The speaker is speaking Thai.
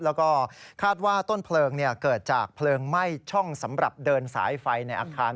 แล้วก็คาดว่าต้นเพลิงเกิดจากเพลิงไหม้ช่องสำหรับเดินสายไฟในอาคาร